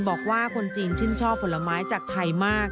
บอกว่าคนจีนชื่นชอบผลไม้จากไทยมาก